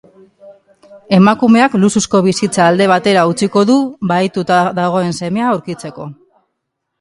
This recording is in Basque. Emakumeak luxuzko bizitza alde batera utziko du bahituta dagoen semea aurkitzeko.